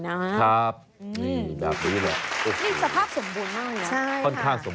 นี่สภาพสมบูรณ์มากเนอะ